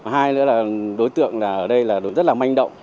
hai nữa là đối tượng ở đây là rất là manh động